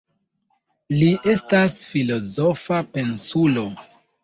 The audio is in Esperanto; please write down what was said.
Li estas filozofa pensulo.